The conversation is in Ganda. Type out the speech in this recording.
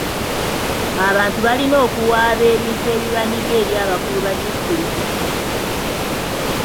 Abantu balina okuwaaba ebintu ebibanyiga eri abakulu ba disitulikiti.